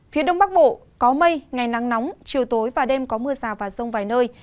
phía đông bắc bộ có mây ngày nắng nóng chiều tối và đêm có mưa rào và rông vài nơi